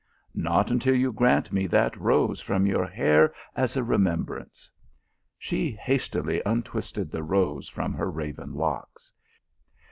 " Not until you grant me that rose from your hair as a remembrance." She hastily untwisted the rose from her raven locks.